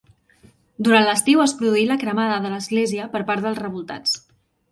Durant l'estiu es produí la cremada de l'església per part dels revoltats.